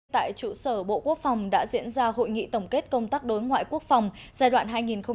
tại trụ sở bộ quốc phòng đã diễn ra hội nghị tổng kết công tác đối ngoại quốc phòng giai đoạn hai nghìn một mươi sáu hai nghìn hai mươi